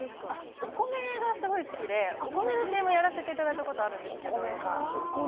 お米がすごい好きでお米のＣＭをやらせていただいたことはあるんですけど。